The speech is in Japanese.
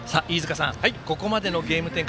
ここまでのゲーム展開